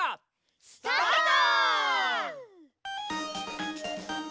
スタート！